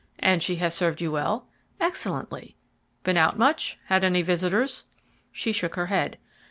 "And she has served you well?" "Excellently." "Been out much? Had any visitors?" She shook her head.